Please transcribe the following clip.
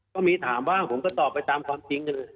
ก็มีถามว่าผมก็ตอบไปตามความจริง